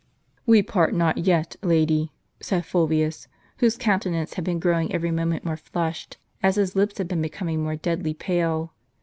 " We part not yet, lady," said Fulvius, whose countenance had been growing every moment more flushed, as his lips had been becoming more deadly pale.